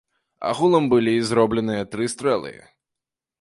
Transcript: Агулам былі зробленыя тры стрэлы.